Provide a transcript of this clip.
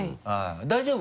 大丈夫？